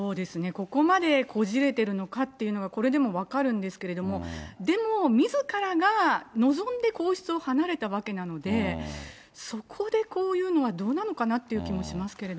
ここまでこじれてるのかっていうのがこれでも分かるんですけれども、でもみずからが望んで王室を離れたわけなんで、そこでこういうのはどうなのかなっていう気もしますけど。